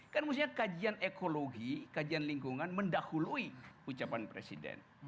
kan mestinya kajian ekologi kajian lingkungan mendahului ucapan presiden